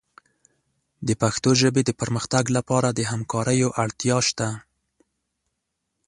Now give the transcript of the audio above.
د پښتو ژبې د پرمختګ لپاره د همکاریو اړتیا شته.